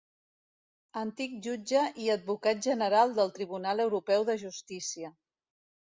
Antic jutge i Advocat General del Tribunal Europeu de Justícia.